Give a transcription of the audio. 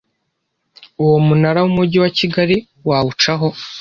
Uwo munara w’Umujyi wa Kigali wawucaho